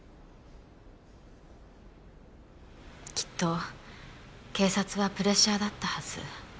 きっと警察はプレッシャーだったはず。